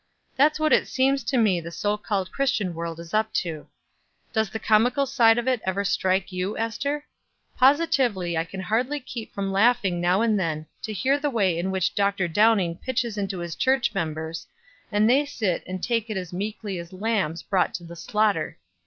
That's what it seems to me the so called Christian world is up to. Does the comical side of it ever strike you, Ester? Positively I can hardly keep from laughing now and then to hear the way in which Dr. Downing pitches into his church members, and they sit and take it as meekly as lambs brought to the slaughter.